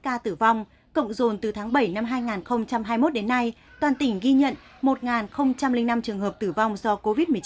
ca tử vong cộng dồn từ tháng bảy năm hai nghìn hai mươi một đến nay toàn tỉnh ghi nhận một năm trường hợp tử vong do covid một mươi chín